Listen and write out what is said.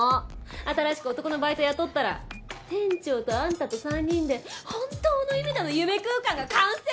新しく男のバイト雇ったら店長とあんたと３人で本当の意味での「夢空間」が完成すんのよ！